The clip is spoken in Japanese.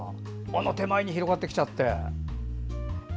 手前に広がってきちゃって。